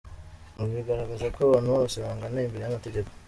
Ibi bigaragaza ko abantu bose bangana imbere y’amategeko.